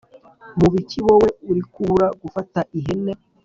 mubiki, wowe uri kubura gufata ihene